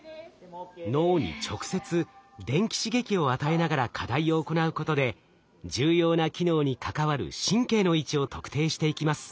脳に直接電気刺激を与えながら課題を行うことで重要な機能に関わる神経の位置を特定していきます。